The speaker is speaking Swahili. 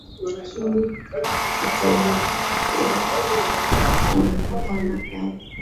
Kyungu kikitoboke kinakatala kazi